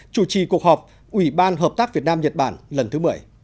chủ trì cuộc họp ủy ban hợp tác việt nam nhật bản lần thứ một mươi